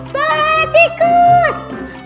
tolong ada tikus